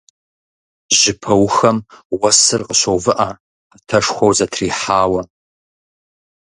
Жьыпэухэм уэсыр къыщоувыӀэ, Ӏэтэшхуэу зэтрихьауэ.